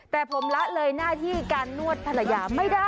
แต่ผมละเลยหน้าที่การนวดภรรยาไม่ได้